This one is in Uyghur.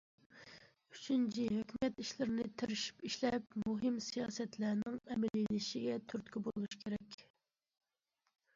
ئۈچىنچى، ھۆكۈمەت ئىشلىرىنى تىرىشىپ ئىشلەپ، مۇھىم سىياسەتلەرنىڭ ئەمەلىيلىشىشىگە تۈرتكە بولۇش كېرەك.